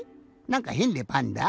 なんかへんでパンダ？